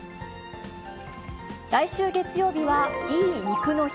来週月曜日は、いい肉の日。